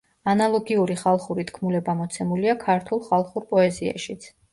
ანალოგიური ხალხური თქმულება მოცემულია „ქართულ ხალხურ პოეზიაშიც“.